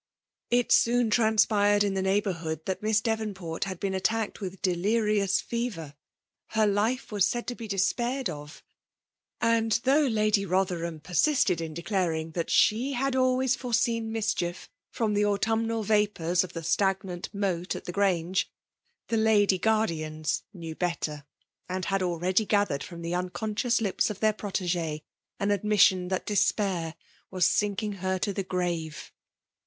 If tmnspired in tlie. neighbourbood thgi Mills' Seroilport had been attaeked mth dDlinovft fever; her Ufe was said io be despaired of; and thoagh Lady Botherham persisted im declaring that she had always foreseen inischtdt from the autumnal vapours of the stagaaDi xBjOat at the Grraage» the lady guardiails luiew bbtter, and had ahready gaAerad from tlia unconscious lips of their prot^gte aa admis sion that despair was sinking her to the grave.